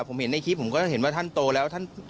ผมเห็นในคลิปผมก็เห็นว่าท่านโตแล้วท่าน